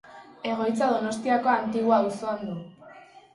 Egoitza Donostiako Antigua auzoan du.